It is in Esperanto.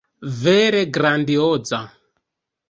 Vere grandioza!